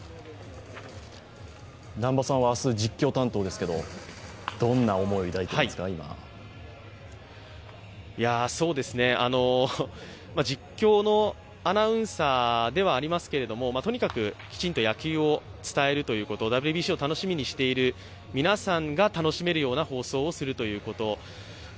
南波さんは明日、実況担当ですけど今、どんな思いを抱いていますか実況のアナウンサーではありますけれどもとにかくきちんと野球を伝えることＷＢＣを楽しみにしている皆さんが楽しめるような放送をするということ。